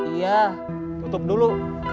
iya tutup dulu